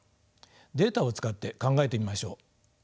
データを使って考えてみましょう。